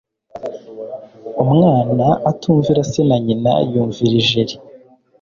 umwana atumvira se na nyina yumvira ijeri